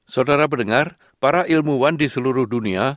saudara mendengar para ilmuwan di seluruh dunia